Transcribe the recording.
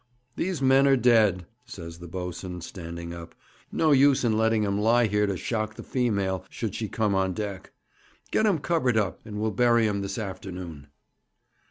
'These men are dead,' says the boatswain, standing up. 'No use in letting 'em lie here to shock the female, should she come on deck. Get 'em covered up, and we'll bury 'em this afternoon.'